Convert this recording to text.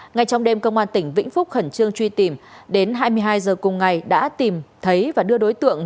ngay trong đêm công an tỉnh vĩnh phúc khẩn trương truy tìm đến hai mươi hai h cùng ngày đã tìm thấy và đưa đối tượng